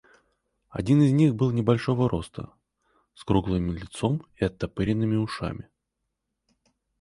Один из них был очень небольшого роста, с круглым лицом и оттопыренными ушами.